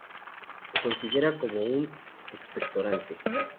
Se considera como un expectorante.